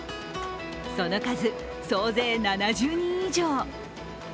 その数、総勢７０人以上。